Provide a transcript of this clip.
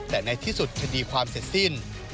แต่ในที่สุดคดีความเสร็จสิ้น